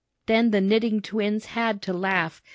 Then the Knitting twins had to laugh.